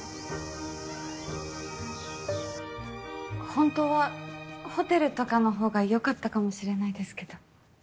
ホントはホテルとかの方がよかったかもしれないですけど。